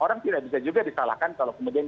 orang tidak bisa juga disalahkan kalau kemudian